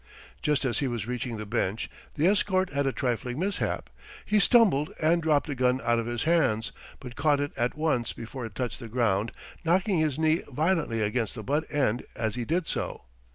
Just as he was reaching the bench the escort had a trifling mishap. He stumbled and dropped the gun out of his hands, but caught it at once before it touched the ground, knocking his knee violently against the butt end as he did so.